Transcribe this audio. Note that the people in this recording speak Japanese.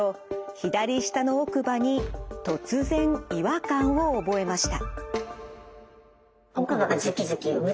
左下の奥歯に突然違和感を覚えました。